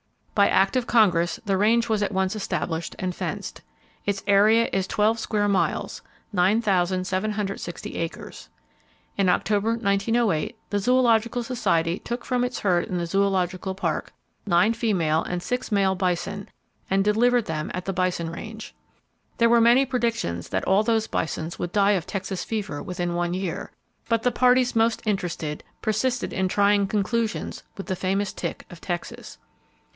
By act of Congress the range was at once established and fenced. Its area is twelve square miles (9,760 acres). In October, 1908, the Zoological Society took from its herd in the Zoological Park nine female and six male bison, and delivered them at the bison range. There were many predictions that all those bison would die of Texas fever within one year; but the parties most interested persisted in trying conclusions with the famous tick of Texas.